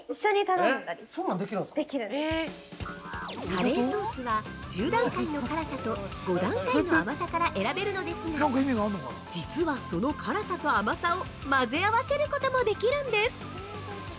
◆カレーソースは１０段階の辛さと５段階の甘さから選べるのですが、実はその辛さと甘さを混ぜ合わせることもできるんです。